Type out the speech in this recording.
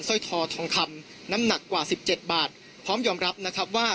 สร้อยคอทองคำน้ำหนักกว่าสิบเจ็ดบาทพร้อมยอมรับนะครับว่า